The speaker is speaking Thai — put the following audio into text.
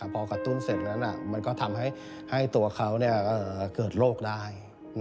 พอกระตุ้นเสร็จแล้วมันก็ทำให้ตัวเขาเกิดโรคได้